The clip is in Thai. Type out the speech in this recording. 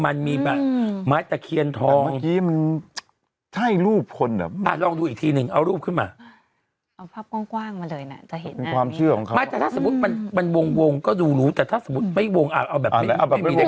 ไม่แต่ถ้าสมมุติมันวงก็ดูรู้แต่ถ้าสมมุติไม่วงเอาแบบนี้ไม่มีเด็ก